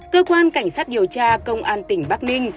cơ quan cảnh sát điều tra công an tỉnh bắc ninh